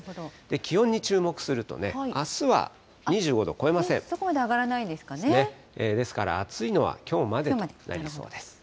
気温に注目すると、あすは２５度そこまで上がらないんですかですから、暑いのはきょうまでとなりそうです。